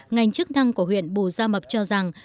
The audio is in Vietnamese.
ngành chức năng của huyện bù gia mập cho rằng